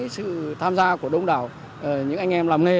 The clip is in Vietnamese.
sự tham gia của đông đảo những anh em làm nghề